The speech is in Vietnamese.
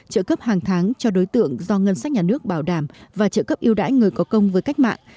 trợ cấp hàng tháng cho đối tượng do ngân sách nhà nước bảo đảm và trợ cấp yêu đãi người có công với cách mạng